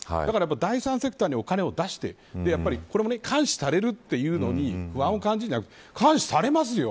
第３セクターにお金を出してこれも監視されるという不安を感じるのではなく監視されますよ。